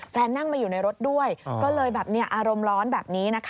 นั่งมาอยู่ในรถด้วยก็เลยแบบอารมณ์ร้อนแบบนี้นะคะ